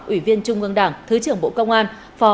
ủy viên trung ương đảng thứ trưởng bộ công an